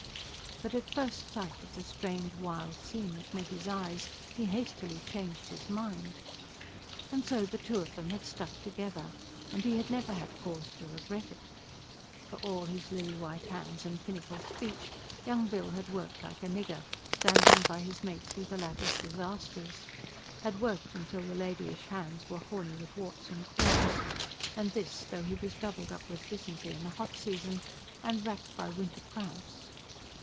But at first sight of the strange, wild scene that met his eyes he hastily changed his mind. And so the two of them had stuck together; and he had never had cause to regret it. For all his lily white hands and finical speech Young Bill had worked like a nigger, standing by his mate through the latter's disasters; had worked till the ladyish hands were horny with warts and corns, and this, though he was doubled up with dysentery in the hot season, and racked by winter cramps.